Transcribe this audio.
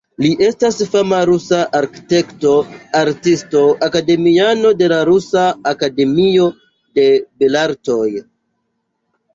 Li estas fama rusa arkitekto, artisto, akademiano de la Rusia Akademio de Belartoj.